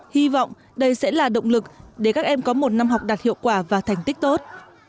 hy vọng đây sẽ là động lực để các em có một năm học đạt hiệu quả và thành tích tốt